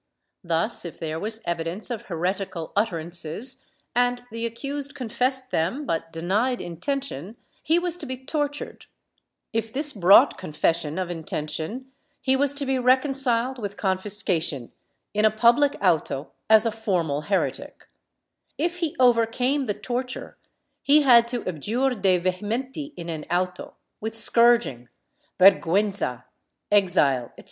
Thus, if there was evidence of heretical utterances, and the accused confessed them bvit denied intention, he was to be tortured; if this brought confession of intention, he was to be reconciled with confiscation in a public auto as a formal heretic; if he overcame the torture he had to abjure de vehementi in an auto, with scourging, vergiienza, exile etc.